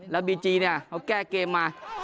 แล้วบีจีเนี่ยเขาแก้เกมมา